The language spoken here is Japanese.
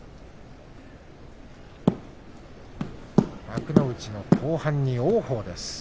幕内の後半に王鵬です。